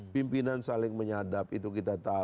pimpinan saling menyadap itu kita tahu